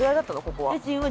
ここは。